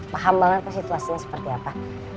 paham banget situasinya seperti apa